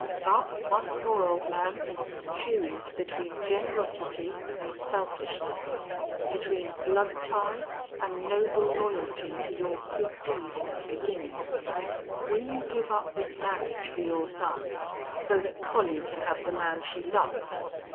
But, once more, old man, choose between generosity an' selfishness. Between blood tie an' noble loyalty to your good deed in its beginnin'.... Will you give up this marriage for your son so that Collie can have the man she loves?"